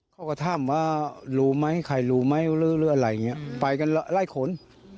เขาก็ถามว่ารู้ไหมใครรู้ไหมหรืออะไรอย่างนี้ไปกันไล่ขน